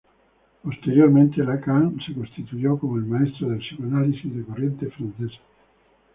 Posteriormente, Lacan se constituyó como el maestro del psicoanálisis de corriente francesa.